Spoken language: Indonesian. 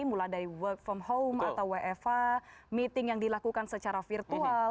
mulai dari work from home atau wfh meeting yang dilakukan secara virtual